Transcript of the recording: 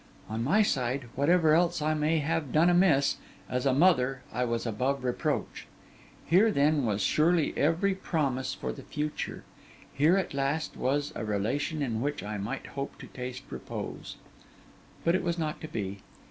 On my side, whatever else I may have done amiss, as a mother I was above reproach. Here, then, was surely every promise for the future; here, at last, was a relation in which I might hope to taste repose. But it was not to be.